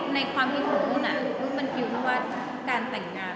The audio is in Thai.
ในความคิดของลูกมันคิดว่าการแต่งงาน